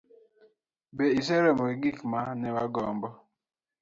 Be iseromo gi gik ma ne wagombo?